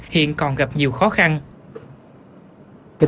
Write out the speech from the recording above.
hiện còn gặp nhiều khó khăn